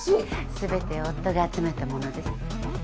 全て夫が集めたものです。